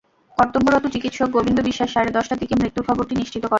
কর্তব্যরত চিকিৎসক গোবিন্দ বিশ্বাস সাড়ে দশটার দিকে মৃত্যুর খবরটি নিশ্চিত করেন।